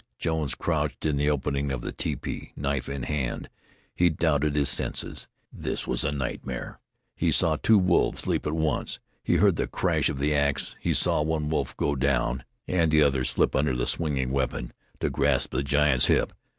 Jones crouched in the opening of the tepee, knife in hand. He doubted his senses. This was a nightmare. He saw two wolves leap at once. He heard the crash of the ax; he saw one wolf go down and the other slip under the swinging weapon to grasp the giant's hip.